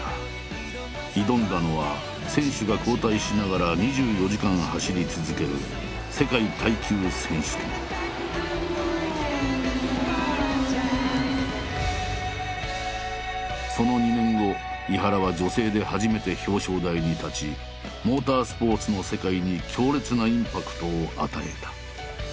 挑んだのは選手が交代しながら２４時間走り続けるその２年後井原は女性で初めて表彰台に立ちモータースポーツの世界に強烈なインパクトを与えた。